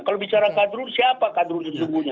kalau bicara kadrun siapa kadrun yang semuanya